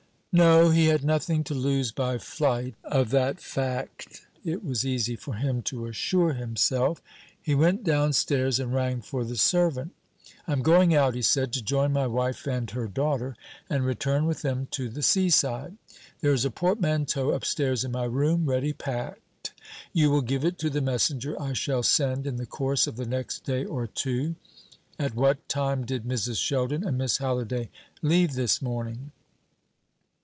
No; he had nothing to lose by flight of that fact it was easy for him to assure himself. He went downstairs, and rang for the servant. "I am going out," he said, "to join my wife and her daughter, and return with them to the sea side. There is a portmanteau upstairs in my room, ready packed. You will give it to the messenger I shall send in the course of the next day or two. At what time did Mrs. Sheldon and Miss Halliday leave this morning?"